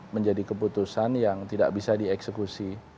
menjadi keputusan yang tidak bisa dieksekusi